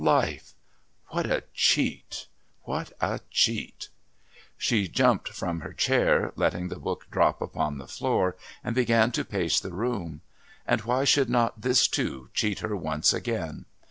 Life! What a cheat! What a cheat! She jumped from her chair, letting the book drop upon the floor, and began to pace the room. And why should not this, too, cheat her once again?